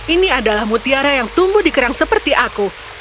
ini adalah mutiara yang tumbuh di kerang seperti aku